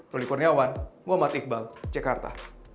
ruli kurniawan muhammad iqbal jakarta